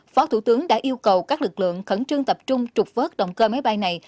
phó thủ tướng đã yêu cầu các lực lượng khẩn trương tập trung trục vớt động cơ máy bay này